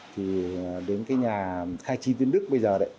thì đến cái nhà khai trì tuyến đức bây giờ đấy